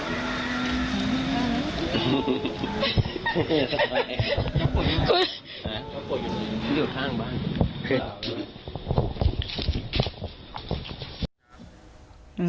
พี่อยู่ข้างบ้าน